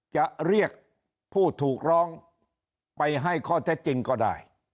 จะเรียกผู้ถูกร้องไปให้ข้อเท็จจริงก็ได้